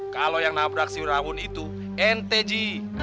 kalau yang nabrak si urawun itu ente ji